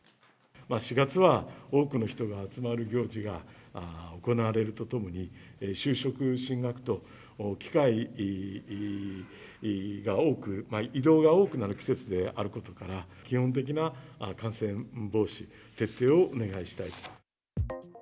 ４月は多くの人が集まる行事が行われるとともに、就職、進学と、機会が多く、移動が多くなる季節であることから、基本的な感染防止徹底をお願いしたいと。